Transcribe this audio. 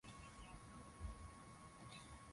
nimetekwa ndani